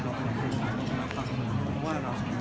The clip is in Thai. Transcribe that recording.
เพราะเมื่อสงสารความรัก